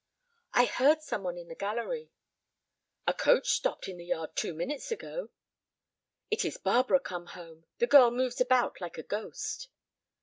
"I heard some one in the gallery." "A coach stopped in the yard two minutes ago." "It is Barbara come home. The girl moves about like a ghost."